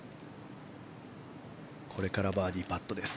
これからバーディーパットです。